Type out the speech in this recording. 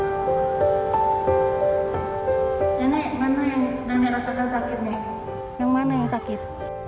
nenek nenek rasakan sakitnya yang mana yang sakit